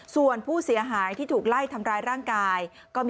ส่วนผู้เสียหายที่ถูกไล่ทำร้ายร่างกายก็มี